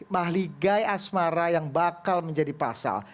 mahligai asmara yang bakal menjadi pasal